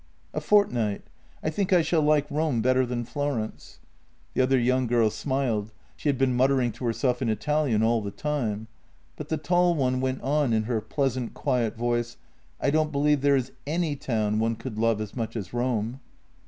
"" A fortnight. I think I shall like Rome better than Flor ence." The other young girl smiled — she had been muttering to her self in Italian all the time — but the tall one went on in her pleasant, quiet voice :" I don't believe there is any town one could love as much as Rome."